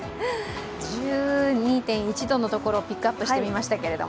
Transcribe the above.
１２．１度の所をピックアップしてみましたけど。